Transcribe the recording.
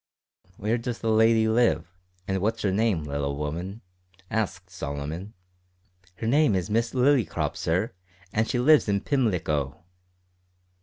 "Where does the lady live, and what's her name, little woman?" asked Solomon. "Her name is Miss Lillycrop, sir, and she lives in Pimlico."